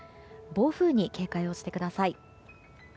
暴風に警戒をしてください。